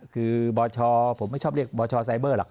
คือบชผมไม่ชอบเรียกบชไซเบอร์หรอก